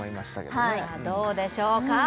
どうでしょうか？